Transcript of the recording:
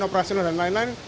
operasional dan lain lain